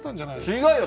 違うよ。